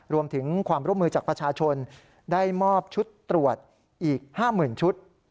รวมถึงความร่วมมือจากประชาชนได้มอบชุดตรวจอีก๕๐๐๐ชุด